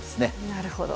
なるほど。